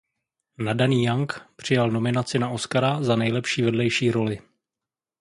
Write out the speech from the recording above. Nadaný Young přijal nominaci na Oscara za nejlepšího vedlejší roli.